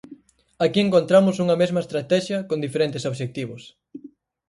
Aquí encontramos unha mesma estratexia con diferentes obxectivos.